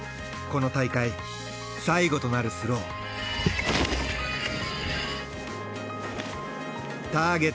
この大会最後となるスロー。